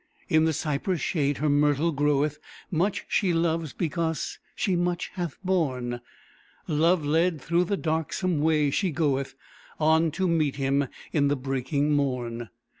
In the cypress shade her myrtle groweth; Much she loves, because she much hath borne; Love led, through the darksome way she goeth On to meet him in the breaking morn.